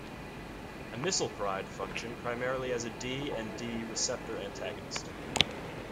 Amisulpride function primarily as a D and D receptor antagonist.